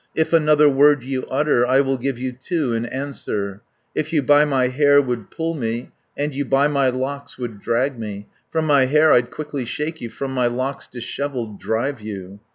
If another word you utter, I will give you two in answer, If you by my hair would pull me, And you by my locks would drag me, From my hair I'd quickly shake you, From my locks dishevelled drive you.'